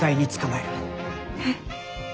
えっ？